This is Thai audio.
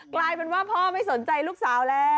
กลายเป็นว่าพ่อไม่สนใจลูกสาวแล้ว